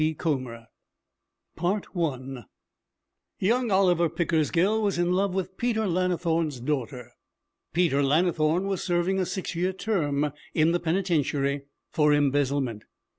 P. COMER I Young Oliver Pickersgill was in love with Peter Lannithorne's daughter. Peter Lannithorne was serving a six year term in the penitentiary for embezzlement.